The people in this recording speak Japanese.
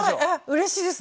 うれしいです！